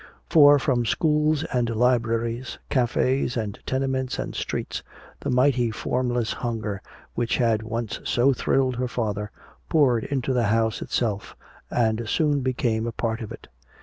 For from schools and libraries, cafés and tenements and streets, the mighty formless hunger which had once so thrilled her father poured into the house itself and soon became a part of it.